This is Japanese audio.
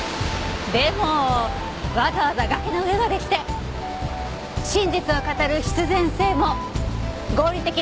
でもわざわざ崖の上まで来て真実を語る必然性も合理的理由もないと思わない？